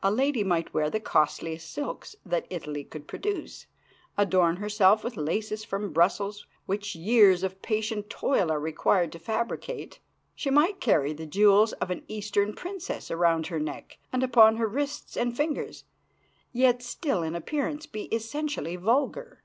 A lady might wear the costliest silks that Italy could produce, adorn herself with laces from Brussels which years of patient toil are required to fabricate; she might carry the jewels of an Eastern princess around her neck and upon her wrists and fingers, yet still in appearance be essentially vulgar.